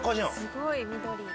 すごい緑。